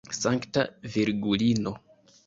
Sankta Virgulino!